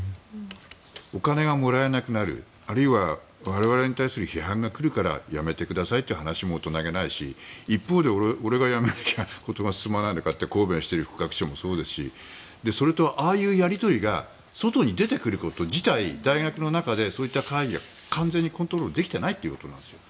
お金がもらえなくなるあるいは我々に対する批判が来るから辞めてくださいという話も大人げないし一方で俺が辞めなきゃ事が進まないのかって抗弁している副学長もそうですしそれと、ああいうやり取りが外に出てくること自体大学の中でそういった会議が完全にコントロールできていないということなんですよ。